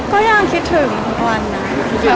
ก็ยังคิดถึงวันนั้น